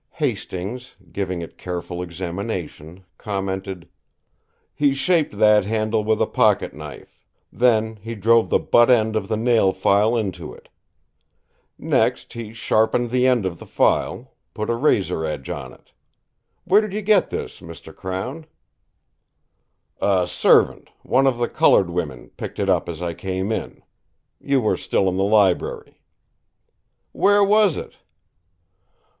Hastings, giving it careful examination, commented: "He shaped that handle with a pocket knife. Then, he drove the butt end of the nail file into it. Next, he sharpened the end of the file put a razor edge on it. Where did you get this, Mr. Crown?" "A servant, one of the coloured women, picked it up as I came in. You were still in the library." "Where was it?"